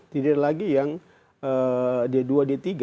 tidak ada lagi yang d dua d tiga